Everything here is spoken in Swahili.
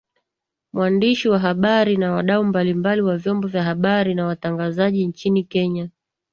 mwandishi wa habari na wadau mbalimbali wa vyombo vya habari na watangazaji nchini kenya